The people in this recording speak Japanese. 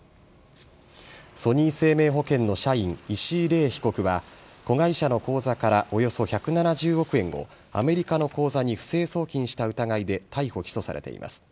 ソニー生命保険の社員、石井伶被告は子会社の口座からおよそ１７０億円をアメリカの口座に不正送金した疑いで逮捕・起訴されています。